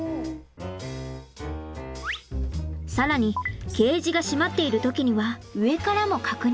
更にケージが閉まっている時には上からも確認。